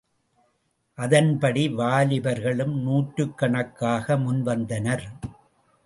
அதன்படி வாலிபர்களும் நூற்றுக்கணக்காக முன்வந்தனர்.